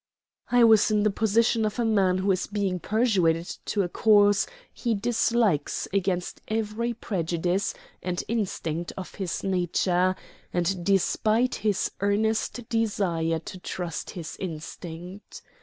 I was in the position of a man who is being persuaded to a course he dislikes against every prejudice and instinct of his nature, and despite his earnest desire to trust his instinct.